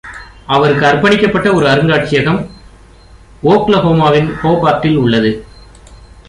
அவருக்கு அர்ப்பணிக்கப்பட்ட ஒரு அருங்காட்சியகம் ஓக்லஹோமாவின் ஹோபார்ட்டில் உள்ளது.